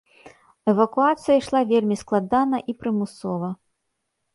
Эвакуацыя ішла вельмі складана і прымусова.